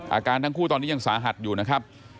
อาการทั้งคู่ตอนนี้ยังสาหัสอยู่นะครับ